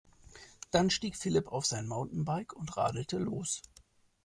Dann stieg Philipp auf sein Mountainbike und radelte los.